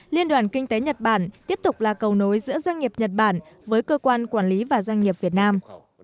liên đoàn kinh tế nhật bản tiếp tục là cầu nối giữa doanh nghiệp nhật bản với cơ quan quản lý và doanh nghiệp việt nam